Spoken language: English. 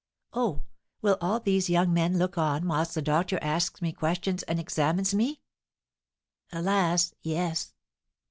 "Oh, will all these young men look on whilst the doctor asks me questions and examines me?" "Alas, yes!"